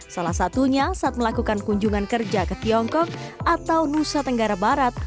salah satunya saat melakukan kunjungan kerja ke tiongkok atau nusa tenggara barat